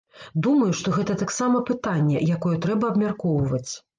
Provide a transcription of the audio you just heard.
Думаю, што гэта таксама пытанне, якое трэба абмяркоўваць.